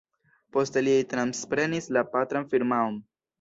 Poste li transprenis la patran firmaon.